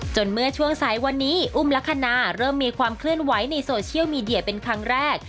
เมื่อช่วงสายวันนี้อุ้มลักษณะเริ่มมีความเคลื่อนไหวในโซเชียลมีเดียเป็นครั้งแรก